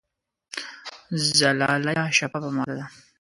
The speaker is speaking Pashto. زلالیه شفافه ماده ده.